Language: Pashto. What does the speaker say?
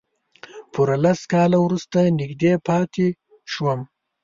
پوره لس کاله ورسره نږدې پاتې شوم.